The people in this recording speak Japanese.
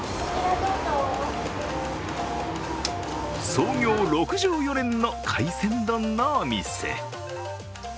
創業６４年の海鮮丼のお店。